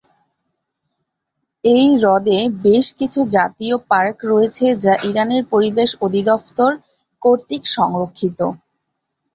এই হ্রদে বেশ কিছু জাতীয় পার্ক রয়েছে যা ইরানের পরিবেশ অধিদফতর কর্তৃক সংরক্ষিত।